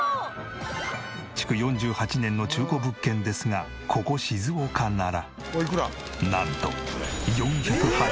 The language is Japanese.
築４８年の中古物件ですがここ静岡ならなんと。